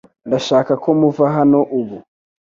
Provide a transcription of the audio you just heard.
Ndashaka ko muva hano ubu